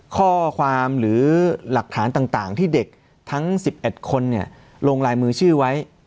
ข้อความหรือหลักฐานต่างที่เด็กทั้ง๑๑คนลงลายมือชื่อไว้